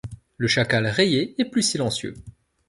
Le chacal rayé est plus silencieux.